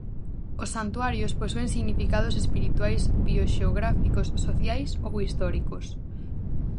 Os santuarios posúen significados espirituais, bioxeográficos, sociais ou históricos.